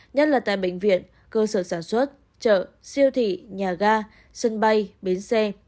nhất là tại bệnh viện cơ sở sản xuất chợ siêu thị nhà ga sân bay bến xe